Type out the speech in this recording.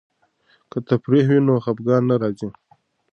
که تفریح وي نو خفګان نه راځي.